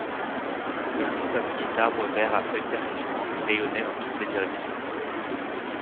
De longues avenues d’arbres verts à feuilles persistantes rayonnaient dans toutes les directions.